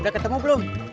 udah ketemu belum